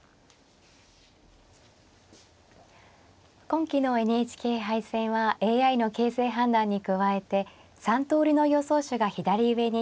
今期のＮＨＫ杯戦はＡＩの形勢判断に加えて３通りの予想手が左上に表示されています。